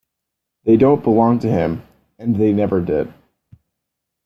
They don't belong to him, and they never did.